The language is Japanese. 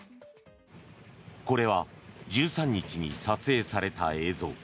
これは１３日に撮影された映像。